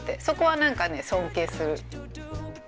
そこは何かね尊敬する。